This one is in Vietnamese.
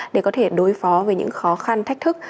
để có thể đối phó với những khó khăn thách thức